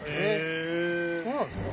そうなんですか？